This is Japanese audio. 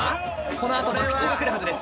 このあとバク宙が来るはずです。